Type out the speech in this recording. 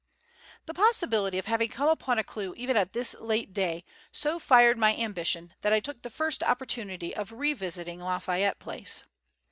The possibility of having come upon a clue even at this late day so fired my ambition that I took the first opportunity of revisiting Lafayette Place.